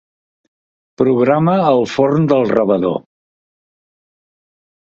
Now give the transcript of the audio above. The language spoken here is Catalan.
Programa el forn del rebedor.